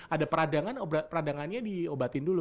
ada peradangan peradangannya diobatin dulu